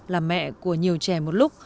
là mẹ của nhiều trẻ một lúc